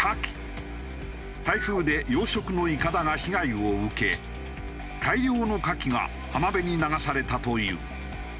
台風で養殖のいかだが被害を受け大量のカキが浜辺に流されたという。